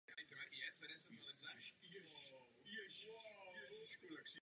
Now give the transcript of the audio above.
Skutečně se musíme soustředit na úkoly, které před námi stojí.